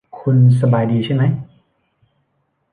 คุณสบายดีใช่มั้ย ?